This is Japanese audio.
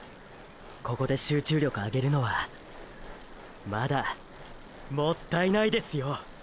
ここで集中力上げるのはまだもったいないですよ。